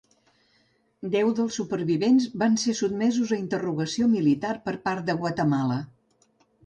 Deu dels supervivents van ser sotmesos a interrogació militar per part de Guatemala.